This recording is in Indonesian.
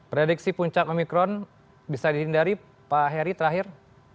prediksi puncak omikron bisa dihindari pak heri terakhir